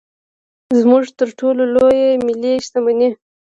زموږ تر ټولو لویه ملي شتمني.